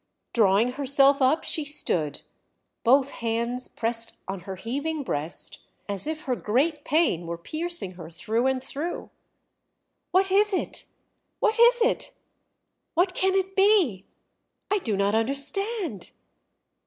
Drawing herself up she stood, both hands pressed on her heaving breast, as if her great pain were piercing her through and through. "What is it?... What is it?... What can it be? I do not understand!"